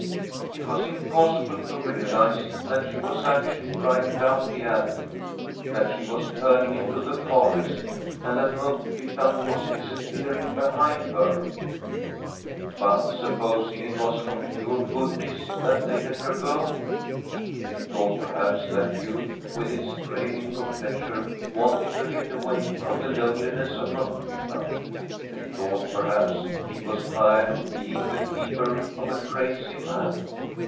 It was impossible to realize that she was actually driving down the avenue, that she was turning into the forest, and that Munkhyttan was disappearing behind her. But supposing it was from pure goodness that they let her go? They thought, perhaps, that youth, with its craving for pleasure, wanted to get away from the loneliness of Munkhjrttan. Thev thought, perhaps, she was tired of being the keeper of a crazy man.